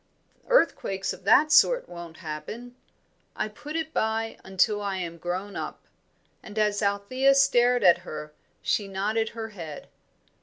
Earthquakes of that sort won't happen. I put it by until I am grown up;" and as Althea stared at her she nodded her head.